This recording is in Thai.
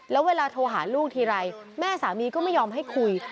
แล้วเวลาโทรหาลูกทีไรแม่สามีก็ไม่ยอมให้คุย